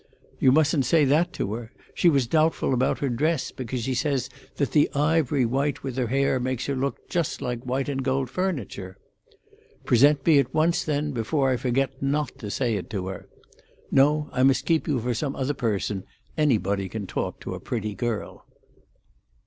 "You mustn't say that to her. She was doubtful about her dress, because she says that the ivory white with her hair makes her look just like white and gold furniture." "Present me at once, then, before I forget not to say it to her." "No; I must keep you for some other person: anybody can talk to a pretty girl."